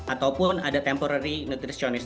ataupun ada temporary nutritionist